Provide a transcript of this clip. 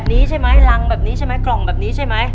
นี้ใช่ไหมรังแบบนี้ใช่ไหมกล่องแบบนี้ใช่ไหม